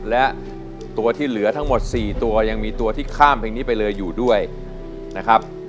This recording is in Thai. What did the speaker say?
และตัวที่เหลือทั้งหมด๔ตัวยังมีตัวที่ข้ามเพลงนี้ไปเลยอยู่ด้วยนะครับ